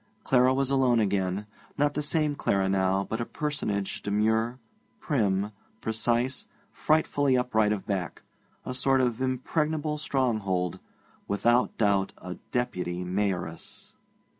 Clara was alone again; not the same Clara now, but a personage demure, prim, precise, frightfully upright of back a sort of impregnable stronghold without doubt a Deputy Mayoress.